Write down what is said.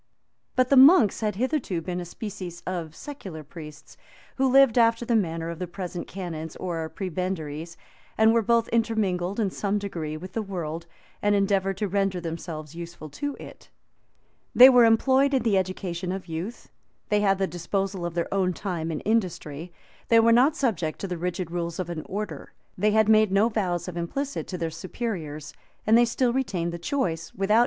But the monks had hitherto been a species of secular priests, who lived after the manner of the present canons or prebendaries, and were both intermingled, in some degree, with the world, and endeavored to render themselves useful to it. They were employed in the education of youth;[*] they had the disposal of their own time and industry; they were not subjected to the rigid rules of an order; they had made no vows of implicit to their superiors;[*] and they still retained the choice, without quitting the convent, either of a married or a single life.